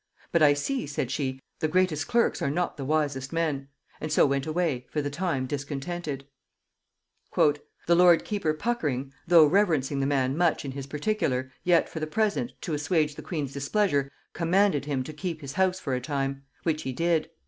'But I see,' said she, 'the greatest clerks are not the wisest men;' and so went away for the time discontented. "The lord keeper Puckering, though reverencing the man much in his particular, yet for the present, to assuage the queen's displeasure, commanded him to keep his house for a time, which he did.